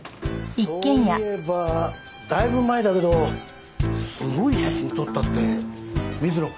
そういえばだいぶ前だけどすごい写真撮ったって水野君言ってたな。